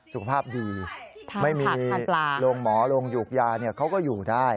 สุขภาพดีไม่มีโรงหมอโรงหยูกยาเขาก็อยู่ได้